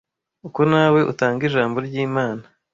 uko nawe utanga ijambo ry’ imana